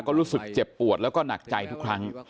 ก็รู้สึกเจ็บปวดแล้วก็หนักใจทุกครั้ง